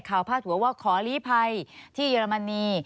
พาดหัวว่าขอลีภัยที่เยอรมนี